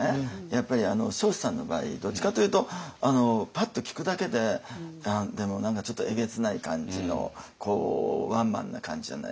やっぱり彰子さんの場合どっちかというとパッと聞くだけで何かちょっとえげつない感じのこうワンマンな感じじゃないですか。